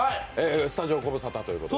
スタジオご無沙汰ということで。